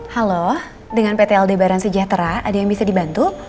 halo dengan pt aldebaran sejahtera ada yang bisa dibantu